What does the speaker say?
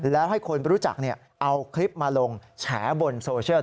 แล้วให้คนรู้จักเอาคลิปมาลงแฉบนโซเชียล